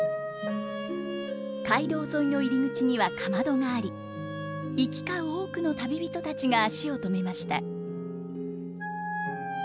街道沿いの入り口にはかまどがあり行き交う多くの旅人たちが足を止めました。